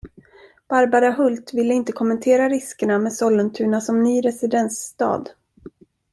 Barbara Hulth ville inte kommentera riskerna med Sollentuna som ny residensstad.